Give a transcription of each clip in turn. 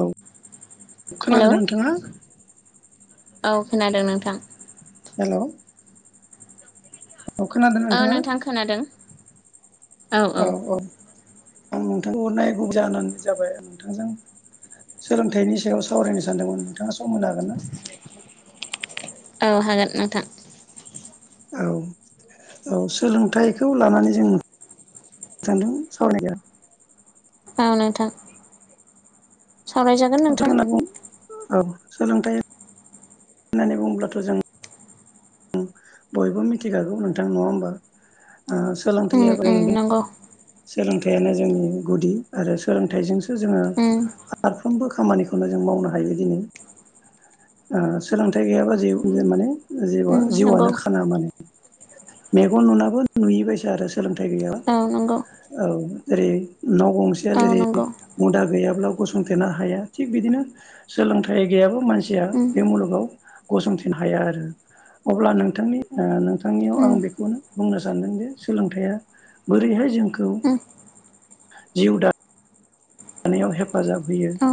औ हेलौ खोनादोंना नोंथाङा औ खोनादों नोंथां हेल' औ खोनादों औ नोंथाङा नोंथां खोनादों औ औ औ-औ आं नोंथांनो हरनाय गुबै जाहोनानो जाबाय नोंथांजों सोलोंथाइनि सायाव सावरायनो सानदोंमोन नोंथाङा सम मोननो हागोनना औ हागोन नोंथां औ-औ सोलोंथाइखौ लानानै जों सानदों [unintelligible] ओ नोंथां सावराय जागोन नोंथां औ सोलोंथाइ होननानै बुङोब्लाथ' जों बयबो मिथिखागौ नोंथां नङा होमबा उम सोलोंथाया [unintelligible] उम नंगौ सोलोंथायानो जोंनि गुदि आरो सोलोंथाइजोंसो जोङो उम फारफ्रोमबो खामानिखौ जों मावनो हायो बिदिनो सोलोंथाइ गैयाबा जे माने जे जिउआ उम नंगौ जिउआनो खाना मानोे मेगन नुनाबो नुयैबायसा आरो सोलोंथाइ गैयाबा औ नंगौ औ जेरै न' गंसेया औ जेरै नंगौ मुदा गैयाब्ला गसंथेनो हाया थिग बिदिनो सोलोंथाइ गैयाबो मानसिया उम बे मुलुगाव गसंथिनो हाया आरो अब्ला नोंथांनि नोंथांनियाव उम आं बेखौनो बुंनो सानदों जे सोलोंथाया बोरैहाय जोंखौ उम जिउ [unintelligible] थानायाव हेफाजाब होयो औ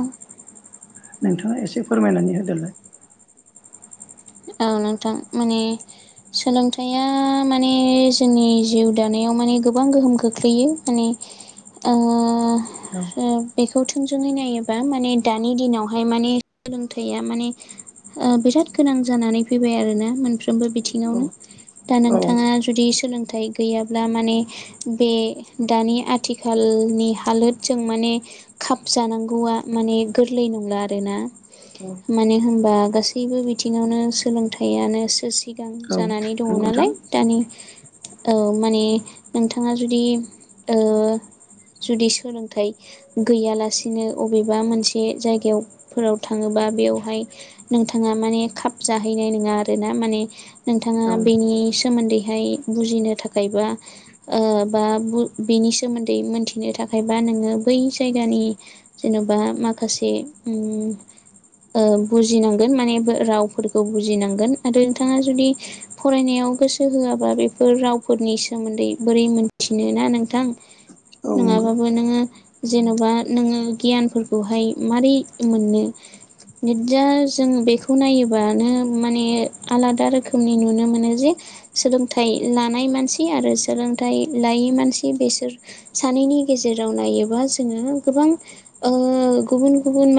नोंथाङा एसे फोरमायनानै होदोलाय औ नोंथां माने सोलोंथाया माने जोंनि जिउ दानायाव माने गोबां गोहोम खोख्लैयो माने आ औ बे गाव थोंजोङै नायोबा माने दानि दिनावहाय माने सोलोंथाया माने बिराद गोनां जानानै फैबाय आरोना मोन औ बिथिङावनो दा औ नोंथाङा जुदि सोलों थाइ गैयाब्ला माने बे दानि आथिखालनि हालोदजों माने खाबजानांगौआ माने गोरलै नंला आरोना मानो होनबा गासैबो बिथिं ङावनो सोलोंथायानोसो सिगां औ जानानै दङ नंगौ नोंथां नालाय दानि औ माने नोंथाङा जुदि जुदि सोलोंथाइ गैयालासिनो अबेबा मोनसे जायगायावफोराव थाङोबा बा बेयावहाय नोंथाङा माने खाब जाहैनाय नङा आरोना माने नोंथाङा औ बेनि सोमोन्दै बुजिनो थाखाय बा बा बेनि सोमोन्दै मोनथिनो थाखायबा नोङो बै जायगानि जेन'बा माखासे बुजिनांगोन माने राव फोर बुजिनांगोन आरो नोंथाङा जुदि फरायनायाव गोसो होआबा बेफोर रावफोरनि सो सोमोन्दै बोरै मोनथिनो ना नोंथां औ नंगौ नङाबाबो नोङो जेन'बा नोङो गियानफोरखौहाय मारै मोननो बिदिया जों बेखौ नायोब्ला माने आलादा रोखोमनि नुनो मोनो जे सोलोंथाइ लानाय मानसि आरो सोलोंथाइ लायै मानसि बेसोर सानैनि गेजेराव नायोबा जोङो गोबां गुबुन गुबुन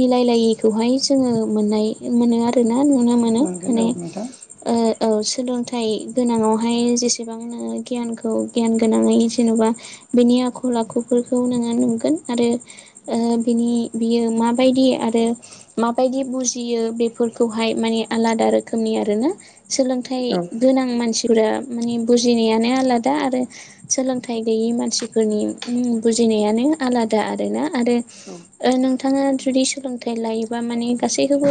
मिलायलायैखौ जों मोननाय मोनो आरो ना नुनो मोनो मोनगोन औ माने नोंथां औ सोलोंथाय फिथाय गोनाङावहाय जेसेबां नोङो गियानखौ गियान गोनाङै जेन'बा बिनि आखल आखुफोरखौ नोङो नुगोन आरो बिनि बियो माबायदि आरो माबायदि बुजियो बेफोरखौहाय माने आलादा रोखोमनि आरोना सोलोंथाइ औ गोनां मानसिफोरा माने बुजिनायानो आलादा आरो सोलोंथाइ गैयै मानसिफोरनि बुजिनायानो आलादा आरोना आरो औ नोंथाङा जुदि सोलोंथाइ लायोबा माने गासैखौबो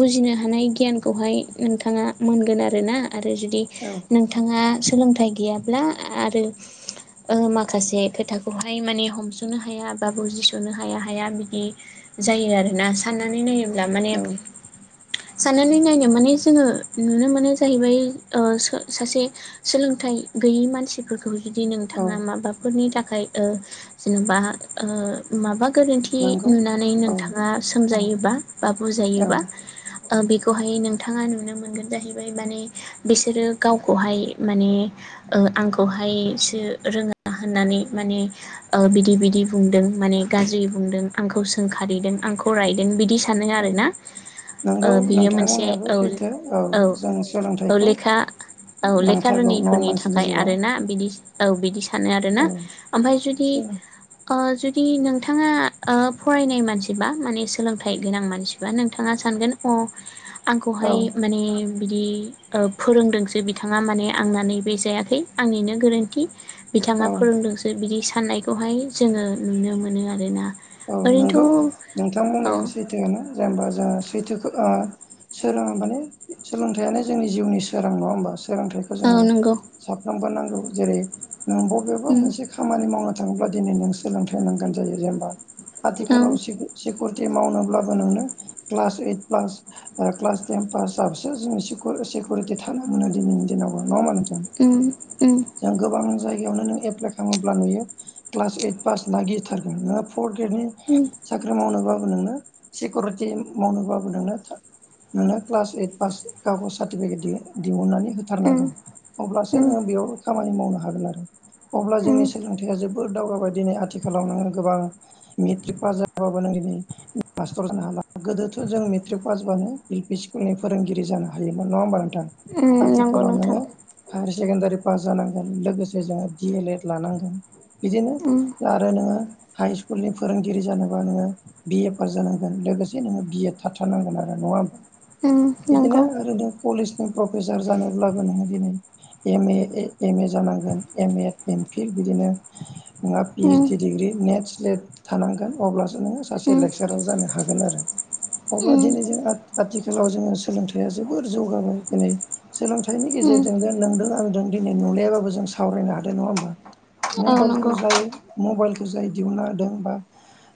बुजिनो हानाय गियानखौहाय नोंथाङा मोनगोन आरो ना आरो जुदि नोंथाङा सोलोंथाइ गैयाब्ला आरो माखासे खोथाखौहाय माने हमस'नो हाया बा बुजिस'नो हाया हाया बिदि जायो आरोना साननानै नायोब्ला माने औ साननानै नायनो माने जोङो नुनो मोनो जाहैबाय सासे सोलोंथाइ गैैयि मानसिफोरा खौ जुदि औ औ नोंथाङा माबाफोरनि थाखाय जेन'बा माबा गोरोन्थि नंगौ नुनानै औ नोंथाङा सोमजायोबा बा औ बुजायोबा बेखौहाय नोंथाङा नुनो मोनगोन जाहैबाय माने बिसोरो गावखौहाय माने आंखौहायसो रोङा होननानै माने बिदि बिदि बुंदों माने गाज्रि बुंदों आंखौ सोंखारिदों आंखौ रायदों बिदि सान सानो औ आरोना नंगौ बियो नोंथां मोनसे बुंनायाबो औ सैथो औ जों औ सोलोंथाइखौ लेखा औ लेखा नांथारगौ न' रोङैफोरनि मानसिनि थाखाय जिउआव आरोना बिदि औ बिदि सानो आरो ना ओमफ्राय जुदि द [inaudible] जुदि नोंथाङा फरायनाय मानसिबा माने सोलोंथाय फिथाइ गोनां मानसिबा नोंथाङा सानगोन अ औ आंखौहाय माने बिदि फोरोंदोंसो बिथाङा माने आंनानै बे जायाखै आंनिनो गोरोन्थि बिथाङा औ फोरोंदोंसो बिदि साननायखौहाय जोङो नुनो मोनो आरोना औ ओरैनोथ' नंगौ नोंथां औ बुंनाया सैथोआा जेनेबा जों सैथोखौ फोरोंङो माने सोलोंथाइयानो जोंनि जिउनि सोरां नङा होमबा सोलोंथाइखौ औ जोङो नंगौ साफ्रोमबो नांगौ जेरै नों बबेबा उम मोनसे खामानि मावनो थाङोब्ला दि नों सोलोंथाइ नांगोन जायो जेनेबा औ आथिखालाव। इ [unintelligible] सेकुरिटि थानो मोनो दिनैनि दिनाव नडा होमबा। उम उम। जनो एइ खालामोब्ला कालास‌ इद पास फर्थ ग्रेडनि उम साख्रि मावनोबाबो नोंनो सिकिउरिटि मावनोबाबो नोंनो। नोंनो क्लास ओइट पास गावखौ सार्टिफिकेट दिहुननानै उम होथारनांगोन। अब्लासो उम नोङो बेयावबो खामानि मावनो हागोन आरो अब्ला उम जोंनि सोलोंथाइया जोबोद दावगाबाय दिनै आथिखालाव नोङो गोबां मेट्रिक पास जाबाबो नों दिनै मास्टर जानो हाला गोदोथ' जों मेट्रिक पास जाबानो। लनि फोरोंगिरि जानो हायोमोन नङा होमबा नोंथां उम नंगौ आथिखालाव नोंथां नोङो। सेकेण्डारि पास जानांगोन लोगोसे जोङो डि एल एड लानांगोन। बिदिनो उम आरो नोङो हाइ सक स्कुलनि फोरोंगिरि जानोबा नोङो बिए पास जानांगोन लोगोसे नोङो बि एड थाथारनांगोन आरो नङा होमबा। उम बिदिनो नंगौ ओरै कलेजनि प्रफेसार जानोब्लाबो नोङो दिनै। एम ए एम ए जानांगोन एम ए एम फिल बिदिनो। नोंहा पि ओस उम डि डिग्रि नेट स्लेट। थानांगोन अब्लासो नोङो सासे उम लेक्सारार जानो हागोन आरो। अब्ला उम दिनै जों आथिखालाव जोङो सोलोंथाइया जोबोर जौगाबाय दिनै सोलोंथाइनि उम गेजेराव। गेजेरजोंनो नोंदों आंजों दिनै नुलायाबाबो जों सावरायनो हादों नङा होमबा। मबाइलखौ नंगौ जाय मबाइलखौ जाय दिहुनना होदों बा।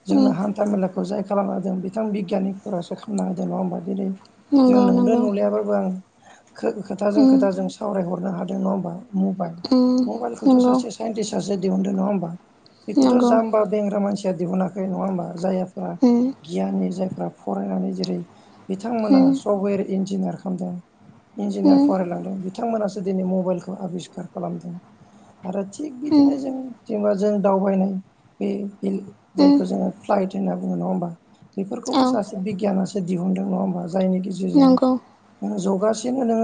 जोंनो हान्था मेलाखौ जाय खालामना होदों बिथां बिगियानिकफोरासो खालामना होदों नङा होमबा दिनै। जों नोंदों नंगौ नुलाइयाबाबो आं। खोथाजों उम खोथाजों सावरायहरनो हादों नङा होमबा मबाइल। उम मबाइलखौथ' नंगौ सासे साइन्टिस्ट सासो दिहुनदों नङा होमबा बेखौथ' नंगौ उम उम जाम्बा बेंग्रा मानसि। दिहुनाखै नङा होमबा जायाफोरा उम गियाननि जायफ्रा फरायनानै जेरै बिथांमोना सफ्टवेर इन्जिनियार खालामदों। इन्जिनियार फरायलांदों बिथांमोनासो दिनै मबाइलखौ आबिस्खार खालामदों। आरो थिग बिदिनो जों जेनेबा जों दावबायनाय बे। उम जायखौ जोङो फ्लाइट होनना बुङो नङा होमबा औ बेफोरखौबो सासे बिगियानासो दिहुनदों नङा होमबा। जायनि गेजेरजों नंगौ जौगा। बिथांमोना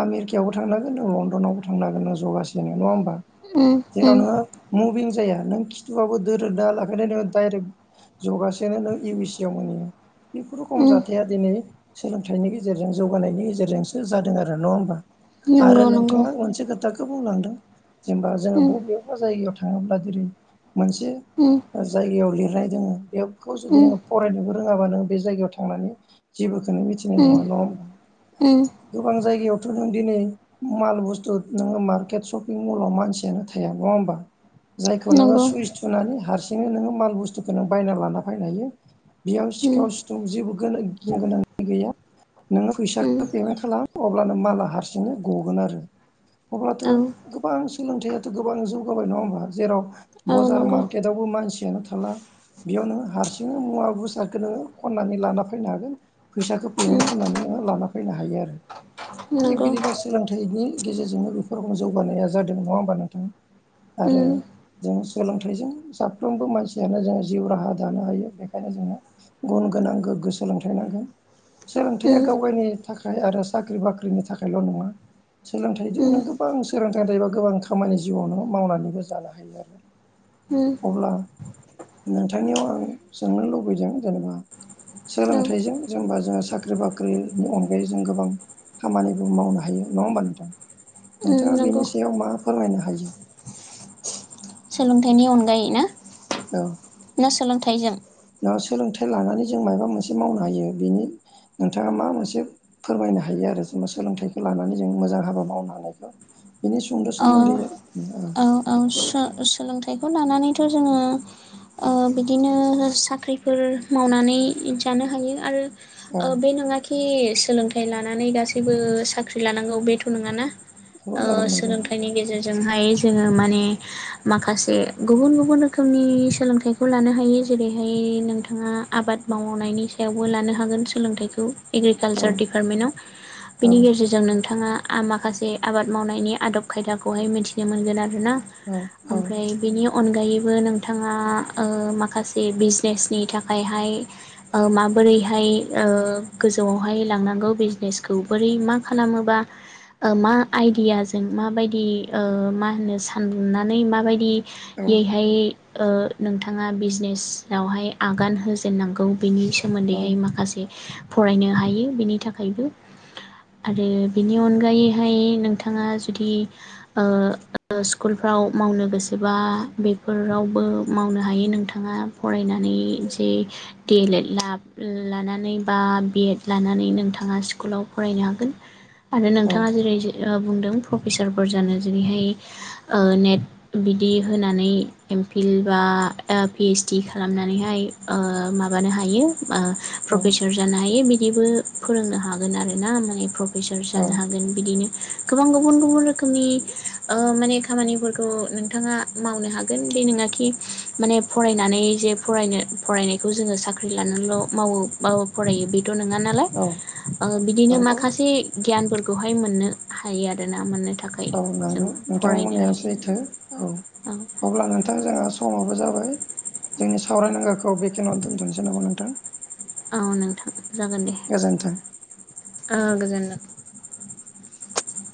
आमेरिकायावबो थांनो हागोन थ' लण्डनावबो थांनो हागोन थ' गासिबो नङा होमबा। उम जेराव उम नोङो मुभिं जाया नों खिथुयावबो दोरोदा लाख बेखायनो नोङो डाइरेक्ट जगासेनो नों इउ ए सि आव मोनहैयो। बेफोर खम उम जाथाया दिनै सोलोंथाइनि गेजेरजों जौगानायनि गेजेरजोंसो जादों आरो नङा होमबा। नंगौ आरो नंगौ नोंथाङा मोनसे खोथाखौ। बेखौ बुंलांदों जेनेबा जोङो उम बबेबा जायगायाव थाङोब्ला जेरै मोनसे। उम जायगायाव लिरनाय दोङो बेखौ जुदि उम नोङो फरायनोबो रोङाबा नोङो बे जायगायाव थांनानै जेबो। मिथिनाय उम नङा नङा होनबा? उम गोबां जायगायावथ' नों दिनै माल बुस्थु नोङो मार्केट शपिं मलाव मानसियानो थाया। जायखौ नोङो नंगौ सुइस थुनानै। थिंनो नोङो माल बुस्थुखौ बायना लाना फैनो हायो। बेयाव उम सिखाव सिथोब जेबो गिनो गोनां गैया। नोङो उम फैसाखौ पेमेन्ट खालाम अब्लानो माला हारसिंनो गगोन आरो। अब्लाथ' औ गोबां सोलोंथाइयाथ' गोबां जौगाबाय नङा होमबा जेराव औ बजार नंगौ मार्केटआव। बो मानसियानो थाला। बेयाव नोङो हारसिङै मुवा बेुसादखौ नोङो खननानै लाना फैनो हागोन फैसाखौ उम पेमेन्ट खालामनानै। लाना फैनो हायो आरो थिग नंगौ बिदिनो सोलोंथाइनि। गेजेरजोंनो बेफोराव जौगानाया जादों नङा होमबा नोंथां। आरो उम जों सोलोंथाइजों साफ्रोमबो मानसियानो जोङो जिउ राहा दानो हायो बेखायनो जोंनो गुन गोनां गोग्गो सोलोंथाइ नां सोलोंथाइया उम गावगायनि थाखाय आरो साख्रि बाख्रिनि थाखायल' नङा उम सोलोंथाइजोंनो गोबां सोलोंथाइ थायोबा गोबां खामानि जिउआवनो मावनानैबो जानो हायो आरो उम अब्ला नोंथांनियाव आं सोंनो लुबैदों जेनेबा उम सोलोंथाइजों जोंबा जोङो साख्रि बाख्रिनि अनगायै जों गोबां खामानिबो मावनो हायो नङा होमबा नोंथां नोंथाङा नंगौ बेनि सायाव मा फोरमायनो हायो सोलोंथाइनि अनगायै ना औ ना सोलोंथाइजों सोलोंथाइ लानानै जों माबा मोनसे मावनो हायो बेनि नोंथाङा मा मोनसे फोरमायनो हायो आरो ज सोलोंथाइखौ लानानै जों मोजां हाबा मावनो हानायखौ बिनि सुंद' अ सोमोन्दै औ औ सोलोंथाइखौ लानानैथ जोङो ओ बिदिनो साख्रिफोर मावनानै जानो हायो आरो औ ओ बे नङााखि सोलोंथाइ लानानै गासैबो साख्रि लानांगौ बेथ नङाना ओ औ नंगौ सोलोंथाइनि गेजेरजोंहाय जोङो माने माखासे गुबुन गुबुन रोखोमनि सोलोंथाइखौ लानो हायो जेरैहाय नोंथां ओ आबाद मावनायनि सायावबो लानो हागोन सोलोंथाइखौ औ एग्रिकालसार दिडिपार्टमेन्टाव औ बिनि गेजेरजों नोंथाङा आ माखासे आबाद मावनायनि आदब खायदाखौहाय मिथिनो मोनगोन आरो ना औ औ ओमफ्राय बेनि अनगायैबो नोंथाङा ओ माखासे बिजनेसनि थाखायहाय माब बोरैहाय ओ गोजौआवहाय लांनांगौ बिजनेसखौ बोरै मा खालामोबा मा आइडियाजों माबायदि आं मा होनो सा सानदुंनानै माबायदियैहाय ओ नोंथाङा बिजनेसावहाय आगान होजेननांगौ बेनि स औ सोमोन्दैहाय माखासे फरायनो हायो बेनि थाखायबो आरो बिनि अनगायैहाय नोंथाङा जुदि स्कुलफ्राव मावनो गोसोबा बेफोरावबो मावनो हायो नोंथाङा फरायनानै जे डि एल एड लानानै बा बि एड लानानै नोंथाङा स्कुलाव फराय फरायनो हागोन आरो नोंथाङा जेरै बुंदों प्रफेसारफोर जानो जेरैहाय ओ नेट बिदि होनानै एम फिल बा पिओसडि खालामनानैहाय ओ माबानो हायो ओ औ प्रफेसार जानो हायो बिदिबो फोरोंनो हागोन आरो ना माने सार जानो औ हागोन बिदिनो गोबां गुबुन गुबुन रोखोमनि माने खामानिफोरखौ नोंथाङा मावनो हागोन दे नोंङाखि माने फरायनानै जे फरायनो फरायनायखौ जोङो साख्रि लानानैल मावो ब फरायो बे नङा नालाय औ ओ बिदिनो नंगौ माखासे गियान खौहाय मोननो हायो आरोना मोननो थाखाय औ जों नंगौ फरायनो नोंथांमोननिया सैथो हायो औ अब्ला नोंथां जोंहा समाबो जाबाय जोंनि सावरायनांगाखौ बेखेनावनो दोनथनोसै नामा नोंथां औ नोंथां जागोन दे गोजोन्थों औ गोजोनथों